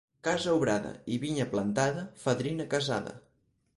Casa obrada i vinya plantada, fadrina casada.